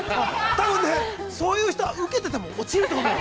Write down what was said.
◆多分ね、そういう人は受けてても落ちると思う。